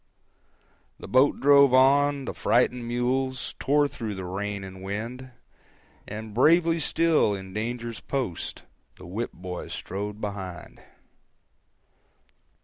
370.jpg (53K) The boat drove on, the frightened mules Tore through the rain and wind, And bravely still, in danger's post, The whip boy strode behind.